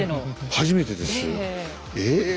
初めてです。え。